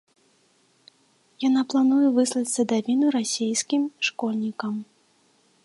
Яна плануе выслаць садавіну расейскім школьнікам.